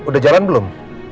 papa udah jalan belum